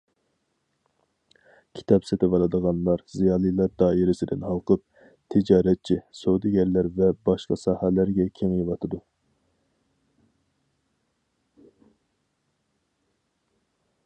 كىتاب سېتىۋالىدىغانلار زىيالىيلار دائىرىسىدىن ھالقىپ، تىجارەتچى، سودىگەرلەر ۋە باشقا ساھەلەرگە كېڭىيىۋاتىدۇ.